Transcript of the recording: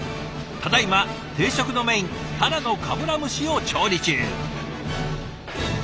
ただ今定食のメインタラのかぶら蒸しを調理中。